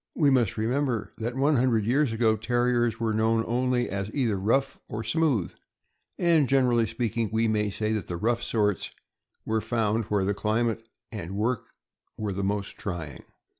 We must remember that one hundred years ago Terriers were known only as either rough or smooth; and, generally speaking, we may say that the rough sorts were found where the climate and work were the most trying.